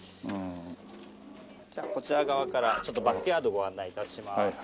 じゃあこちら側からちょっとバックヤードご案内致します。